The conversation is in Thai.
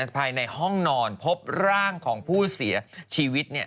ภายในห้องนอนพบร่างของผู้เสียชีวิต